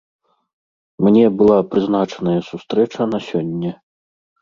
Мне была прызначаная сустрэча на сёння.